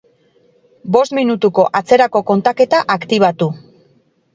Bost minutuko atzerako kontaketa aktibatu.